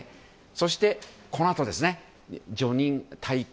そして、このあと叙任・戴冠。